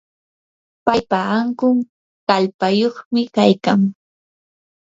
paypa ankun kallpayuqmi kaykan.